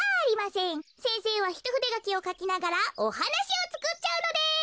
せんせいはひとふでがきをかきながらおはなしをつくっちゃうのです。